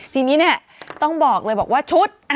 ทีนี้เนี่ยต้องบอกเลยบอกว่าชุด